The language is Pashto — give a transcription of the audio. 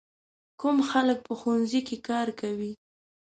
کوم خلک په ښوونځي کې کار کوي؟